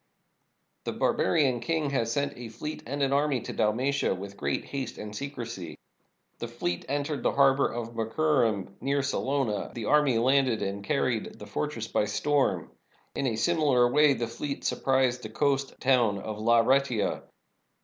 The bar barian king has sent a fleet and an army to Dalmatia with great haste and secrecy. The fleet entered the har bor of Muicurum near Salona; the army landed and carried the fortress by storm. In a similar way the fleet surprised the coast town of Laureata.